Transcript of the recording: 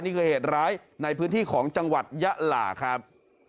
เหตุร้ายในพื้นที่ของจังหวัดยะหล่าครับ